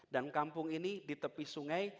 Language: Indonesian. dan kampung ini di tepi sungai